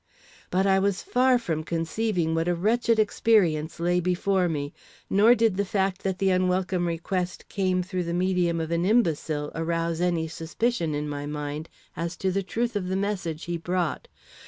But I was far from conceiving what a wretched experience lay before me, nor did the fact that the unwelcome request came through the medium of an imbecile arouse any suspicion in my mind as to the truth of the message he brought.